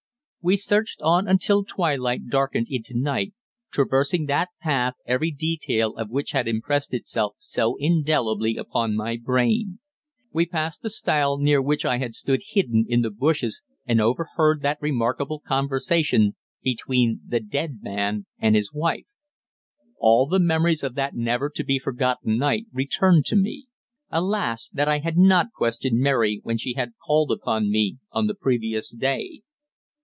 We searched on until twilight darkened into night, traversing that path every detail of which had impressed itself so indelibly upon my brain. We passed the stile near which I had stood hidden in the bushes and overheard that remarkable conversation between the "dead" man and his wife. All the memories of that never to be forgotten night returned to me. Alas! that I had not questioned Mary when she had called upon me on the previous day.